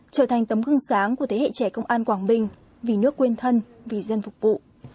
trở thành tấm gương sáng của thế hệ trẻ công an quảng bình vì nước quên thân vì dân phục vụ